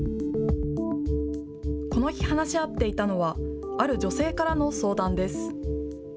この日、話し合っていたのはある女性からの相談です。